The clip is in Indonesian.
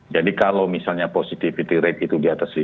jadi kalau misalnya positivity rate itu dianggap kesehatan